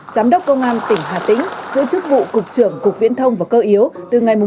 giám đốc công an tỉnh hà tĩnh giữ chức vụ cục trưởng cục viễn thông và cơ yếu từ ngày một bảy hai nghìn hai mươi hai